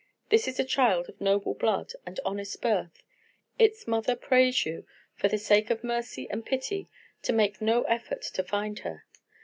This is a child of noble blood and honest birth. Its mother prays you, for the sake of mercy and pity, to make no effort to find her.